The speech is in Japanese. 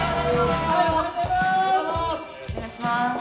お願いします。